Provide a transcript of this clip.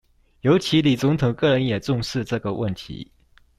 尤其李總統個人也重視這個問題